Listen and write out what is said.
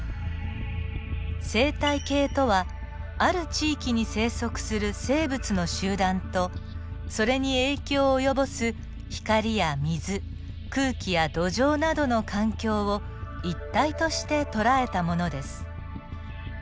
生態系とはある地域に生息する生物の集団とそれに影響を及ぼす光や水空気や土壌などの環境を一体として捉えたものです。